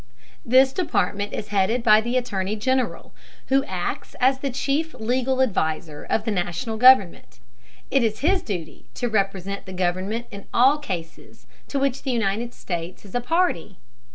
This Department is headed by the Attorney General, who acts as the chief legal adviser of the National government. It is his duty to represent the government in all cases to which the United States is a party.